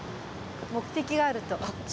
目的があると。